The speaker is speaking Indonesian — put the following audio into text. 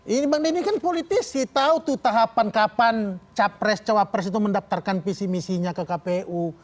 ini bang deddy ini kan politis sih tahu tuh tahapan kapan capres cawapres itu mendaftarkan visi misinya ke kpu